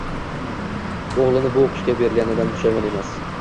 O'g'lini bu o'qishga berganidan pushaymon emas.